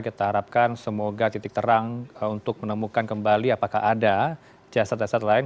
kita harapkan semoga titik terang untuk menemukan kembali apakah ada jasad jasad lain